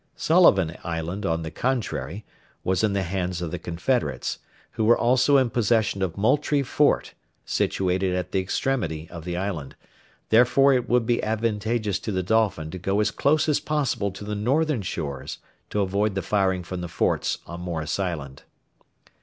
Sullivan Island, on the contrary, was in the hands of the Confederates, who were also in possession of Moultrie Fort, situated at the extremity of the island; therefore it would be advantageous to the Dolphin to go as close as possible to the northern shores to avoid the firing from the forts on Morris Island.